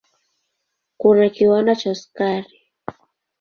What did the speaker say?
Kuna kiwanda cha sukari.